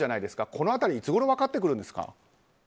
この辺り、いつごろ分かってくるんですか？